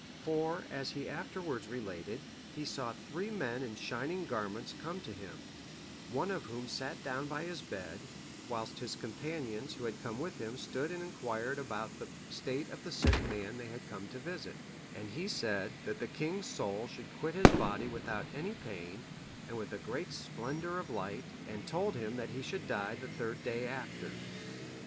For, as he afterwards related, he saw three men in shining garments come to him; one of whom sat down by his bed, whilst his companions who had come with him stood and inquired about the state of the sick man they had come to visit, and he said that the king's soul should quit his body without any pain, and with a great splendour of light; and told him that he should die the third day after.